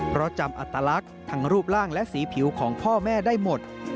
เพราะจำอัตลักษณ์ทั้งรูปร่างและสีผิวของพ่อแม่ได้หมด